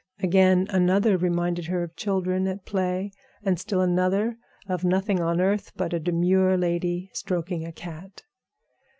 Again, another reminded her of children at play, and still another of nothing on earth but a demure lady stroking a cat.